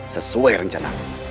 sesuai rencana aku